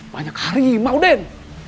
banyak harimau den